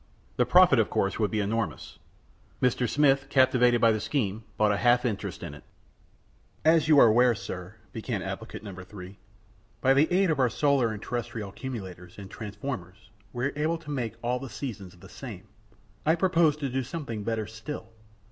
The profit, of course, would be enormous. Mr. Smith, captivated by the scheme, bought a half interest in it. "As you are aware, sir," began applicant No. 3, "by the aid of our solar and terrestrial accumulators and transformers, we are able to make all the seasons the same. I propose to do something better still.